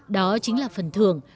đó chính là phần thưởng